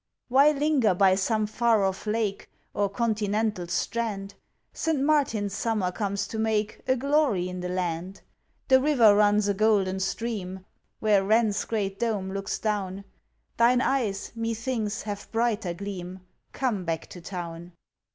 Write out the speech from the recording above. Why linger by some far off lake Or Continental strand? St. Martin's Summer comes to make A glory in the land. The river runs a golden stream Where WREN'S great dome looks down; Thine eyes, methinks, have brighter gleam; Come back to Town!